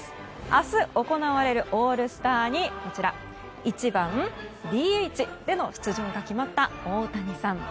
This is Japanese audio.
明日、行われるオールスターに１番ＤＨでの出場が決まった大谷さん。